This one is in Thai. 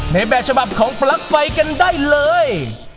ในแบบฉบับของปลั๊กไฟกันได้เลย